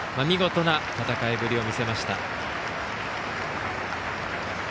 見事な戦いぶりを見せました。